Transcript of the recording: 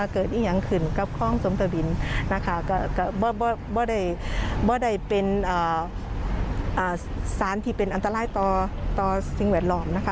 คือใส่สาร